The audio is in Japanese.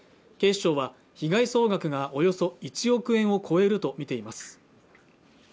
警視庁は被害総額がおよそ１億円を超えるとみています